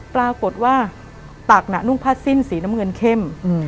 ปรากฏว่าตักน่ะนุ่งผ้าสิ้นสีน้ำเงินเข้ม